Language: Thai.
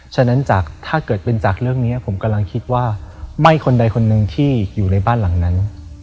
ฉะนั้นจากถ้าเกิดเป็นจากเรื่องนี้ผมกำลังคิดว่าไม่คนใดคนหนึ่งที่อยู่ในบ้านหลังนั้น